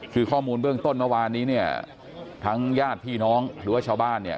คือข้อมูลเบื้องต้นเมื่อวานนี้เนี่ยทั้งญาติพี่น้องหรือว่าชาวบ้านเนี่ย